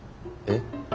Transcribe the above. え？